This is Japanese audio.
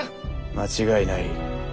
間違いない。